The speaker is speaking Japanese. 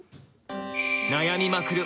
悩みまくる